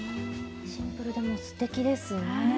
シンプルでもすてきですね。